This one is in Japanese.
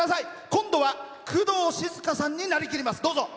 今度は工藤静香さんになりきります。